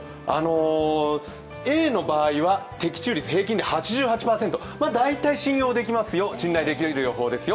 Ａの場合は適中率、平均で８８％。大体信用できますよ、信頼できる予報ですよ。